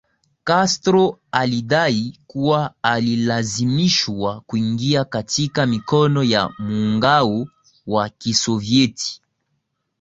Castro alidai kuwa alilazimishwa kuingia katika mikono ya muungao wa kisovieti